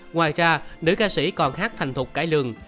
ngoài ra đứa ca sĩ còn hát thành thục cãi lường